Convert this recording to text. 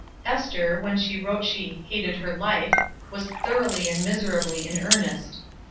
Ester, when she wrote that she "hated her life," was thoroughly and miserably in earnest.